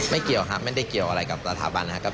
เกี่ยวครับไม่ได้เกี่ยวอะไรกับสถาบันนะครับ